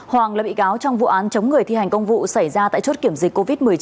hoàng là bị cáo trong vụ án chống người thi hành công vụ xảy ra tại chốt kiểm dịch covid một mươi chín